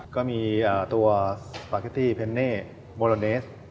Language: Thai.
ก็มีตัวสปาเกตตี้เพนเน่โมโลเนส